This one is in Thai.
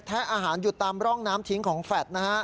อาหารอยู่ตามร่องน้ำทิ้งของแฟลตนะฮะ